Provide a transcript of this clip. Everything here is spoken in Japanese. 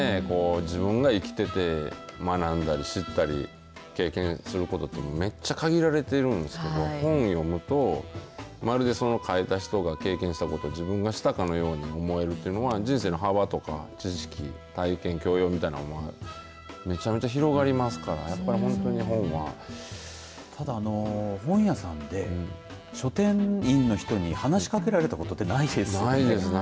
自分が生きてて学んだりしたり経験することってめっちゃ限られてるんですけど本読むと、まるでその書いた人が経験したことが自分がしたかのように思えるというのは人生の幅とか知識、体験、教養みたいなものがめちゃめちゃ広がりますからただ、本屋さんで書店員の人に話しかけられたことってないですよね。